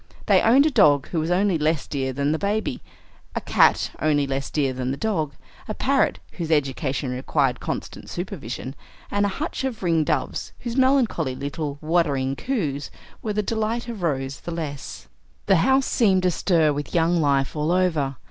They owned a dog who was only less dear than the baby, a cat only less dear than the dog, a parrot whose education required constant supervision, and a hutch of ring doves whose melancholy little "whuddering" coos were the delight of Rose the less. The house seemed astir with young life all over.